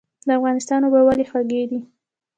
د افغانستان اوبه ولې خوږې دي؟